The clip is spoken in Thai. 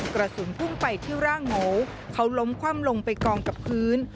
กระสุนพุ่งไปที่ร่างหมูเขาล้มคว่ำลงไปกองกับพื้น